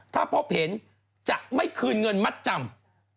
ถ้าพบเห็นจะไม่คืนเงินมัดจำ